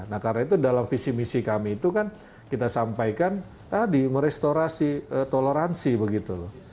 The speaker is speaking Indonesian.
nah karena itu dalam visi misi kami itu kan kita sampaikan tadi merestorasi toleransi begitu loh